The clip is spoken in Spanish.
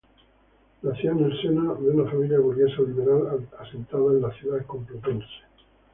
Nació en el seno de una familia burguesa liberal asentada en la ciudad complutense.